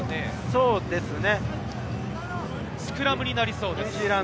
そうですね。